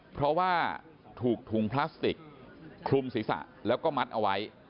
เพราะว่าถูกถุงพลาสติกคลุมศีรษะแล้วก็มัดเอาไว้